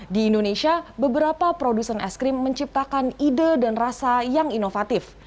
di indonesia beberapa produsen es krim menciptakan ide dan rasa yang inovatif